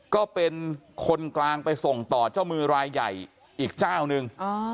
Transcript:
ก็เป็นคนกลางไปส่งต่อเจ้ามือรายใหญ่อีกเจ้านึง